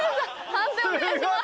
判定お願いします。